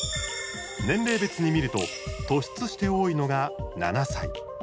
年齢別に見ると突出して多いのが７歳。